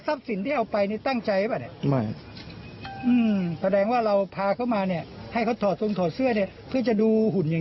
ทัพสิ่งไม่เอาเอาไปแล้วก็โดนจริง